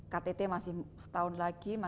ktt masih setahun lagi